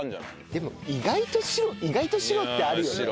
でも意外と白意外と白ってあるよね。